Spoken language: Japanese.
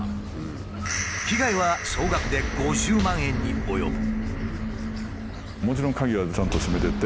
被害は総額で５０万円に及ぶ。